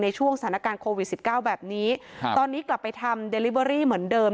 ในช่วงสถานการณ์โควิด๑๙แบบนี้ตอนนี้กลับไปทำเหมือนเดิม